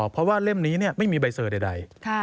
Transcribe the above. เพราะว่าเล่มนี้ไม่มีใบเซอร์ใด